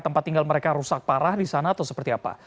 tempat tinggal mereka rusak parah di sana atau seperti apa